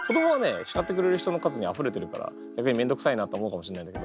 叱ってくれる人の数にあふれてるから逆に面倒くさいなと思うかもしれないんだけど。